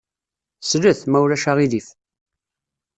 Slet, ma ulac aɣilif.